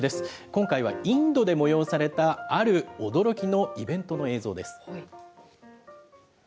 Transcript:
今回はインドで催された、ある驚きのイベントの映像です。